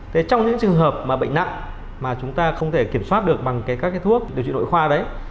trong những trường hợp bệnh nặng mà chúng ta không thể kiểm soát được bằng các thuốc điều trị nội khoa đấy